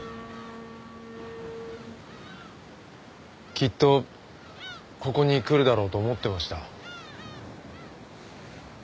きっとここに来るだろうと思ってました。